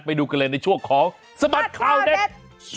ไปดูกันเลยในช่วงของสบัดข่าวเด็ด